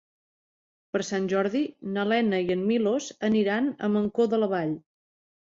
Per Sant Jordi na Lena i en Milos aniran a Mancor de la Vall.